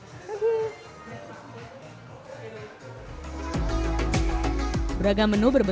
komoc mendidiknya channel ini kohesional jika ada di runner atasi ngg anjing tersedia di kafe ini seperti